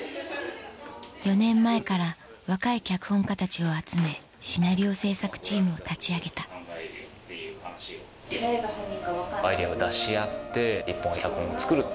４年前から若い脚本家たちを集めシナリオ制作チームを立ち上げたアイデアを出し合って１本脚本を作る。